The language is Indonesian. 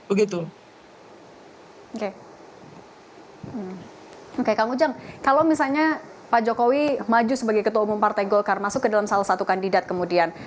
oke kang ujang kalau misalnya pak jokowi maju sebagai ketua umum partai golkar masuk ke dalam salah satu kandidat kemudian